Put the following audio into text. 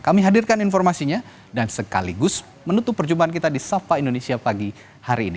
kami hadirkan informasinya dan sekaligus menutup perjumpaan kita di sapa indonesia pagi hari ini